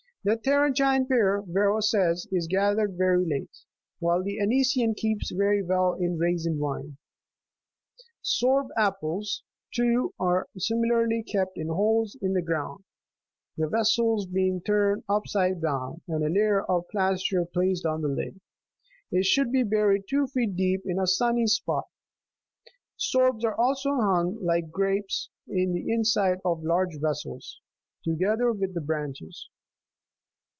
The Tarentine pear, Varro says, is gathered very late, while the Anician keeps very well in raisin wine. Sorb apples, too, are similarly kept in holes in the ground, the vessel being turned upside down, and a layer of plaster placed on the lid: it should be buried two feet deep, in a sunny spot; sorbs30 are also hung, like grapes, in the inside of large vessels, together with the branches.